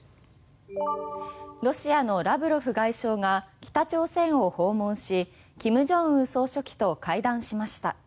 ロシアのラブロフ外相が北朝鮮を訪問し金正恩総書記と会談しました。